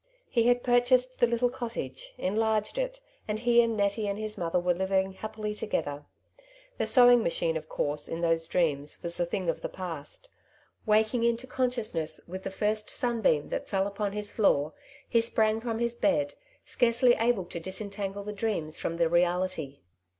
He had purchased the little cottage, enlarged it, and he and Nettie and his mother were living happily together. The sew ing machine of course in those dreams was a thing of the past. Waking into consciousness with the first sunbeam that fell upon his floor, he sprang from his bed, scarcely able to disentangle the dreams fi"om the reality.